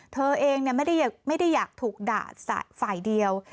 เธอเองไม่ได้อยากถูกด่าฝ่ายเดียว